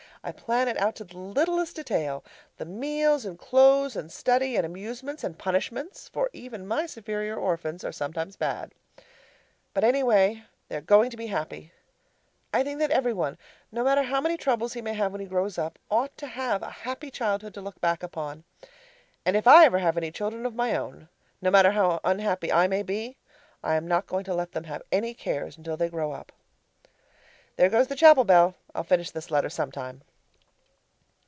I plan it out to the littlest detail the meals and clothes and study and amusements and punishments; for even my superior orphans are sometimes bad. But anyway, they are going to be happy. I think that every one, no matter how many troubles he may have when he grows up, ought to have a happy childhood to look back upon. And if I ever have any children of my own, no matter how unhappy I may be, I am not going to let them have any cares until they grow up. (There goes the chapel bell I'll finish this letter sometime).